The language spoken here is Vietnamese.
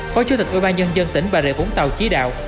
phó chủ tịch ubnd tỉnh bà rệ vũng tàu chí đạo